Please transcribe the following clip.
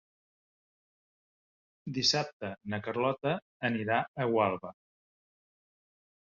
Dissabte na Carlota anirà a Gualba.